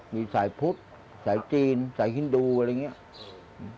มีสายพุทธสายจีนสายฮินดูอะไรอย่างนี้